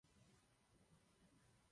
Jedná se o správce souborů se dvěma panely.